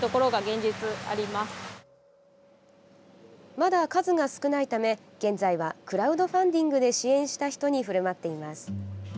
まだ数が少ないため現在はクラウドファンディングで支援した人にふるまっています。